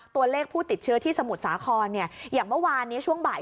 ตัวเลขผู้ติดเชื้อที่สมุทรสาครอย่างเมื่อวานนี้ช่วงบ่าย